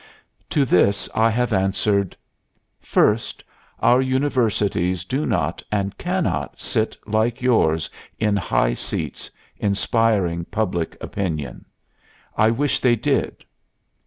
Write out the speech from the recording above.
To this I have answered: "First Our universities do not and cannot sit like yours in high seats, inspiring public opinion. I wish they did.